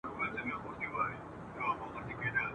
اوسېدونکو افغانانو ټلیفون راته وکړ !.